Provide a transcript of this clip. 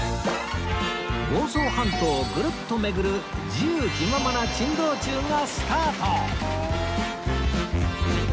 房総半島をぐるっと巡る自由気ままな珍道中がスタート